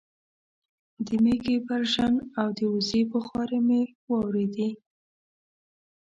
د مېږې برژن او د وزې بغارې مې واورېدې